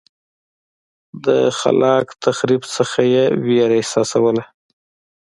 له خلاق تخریب څخه یې وېره احساسوله.